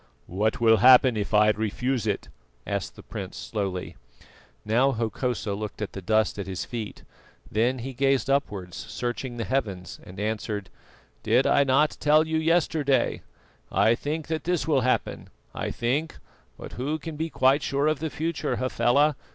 "What will happen if I refuse it?" asked the prince slowly. Now Hokosa looked at the dust at his feet, then he gazed upwards searching the heavens, and answered: "Did not I tell you yesterday? I think that this will happen. I think but who can be quite sure of the future, Hafela?